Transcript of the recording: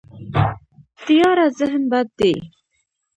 تیاره ذهن بد دی.